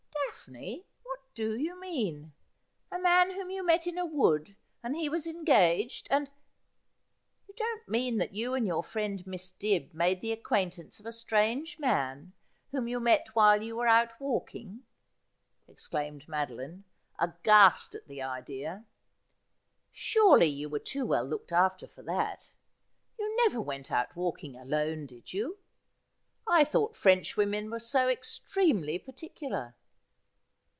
' Daphne, what do you mean ? A man whom you met in a wood, and he was engaged — and ! You don't mean that you and your friend Miss Dibb made the acqaintance of a strange man whom you met when you were out walking,' exclaimed Madoline, aghast at the idea. ' Surely you were too well looked after for that ! You never went out walking alone, did you ? I thought Frenchwomen were so extremely particular.'